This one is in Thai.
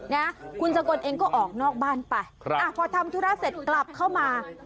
นะคุณสกลเองก็ออกนอกบ้านไปพอทำธุรกิร์ชเสร็จกลับเข้ามา